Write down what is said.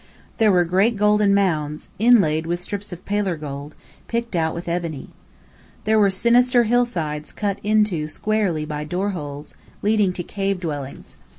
There were great golden mounds inlaid with strips of paler gold picked out with ebony. There were sinister hillsides cut into squarely by door holes, leading to cave dwellings.